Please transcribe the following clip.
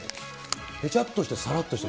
ぺちゃっとして、さらっとして。